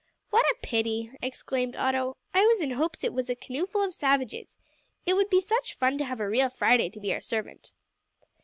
"What a pity!" exclaimed Otto; "I was in hopes it was a canoeful of savages. It would be such fun to have a real Friday to be our servant."